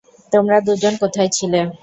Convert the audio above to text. তোমরা দুজন কোথায় ছিলে?